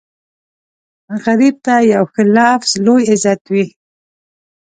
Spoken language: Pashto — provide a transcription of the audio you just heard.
غریب ته یو ښه لفظ لوی عزت وي